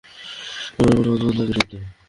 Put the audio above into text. এখনো কেমন অদ্ভুত লাগে শুনতে।